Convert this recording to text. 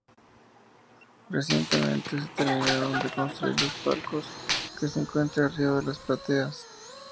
Recientemente se terminaron de construir los palcos que se encuentra arriba de las plateas.